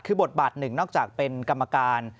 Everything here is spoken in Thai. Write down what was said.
คือบทบาทหนึ่งนอกจากเป็นกรรมการ